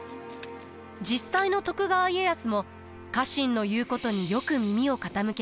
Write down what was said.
実際の徳川家康も家臣の言うことによく耳を傾けました。